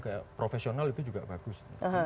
ke profesional itu juga bagus